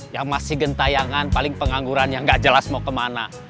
yang masih gentayangan paling pengangguran yang nggak jelas mau kemana